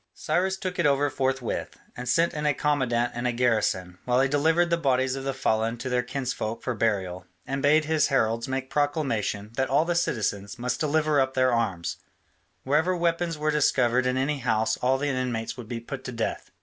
Cyrus took it over forthwith, and sent in a commandant and a garrison, while he delivered the bodies of the fallen to their kinsfolk for burial, and bade his heralds make proclamation that all the citizens must deliver up their arms: wherever weapons were discovered in any house all the inmates would be put to death.